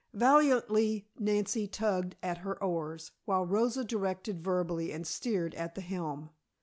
Valiantly Nancy tugged at her oars, while Rosa directed verbally and steered at the helm.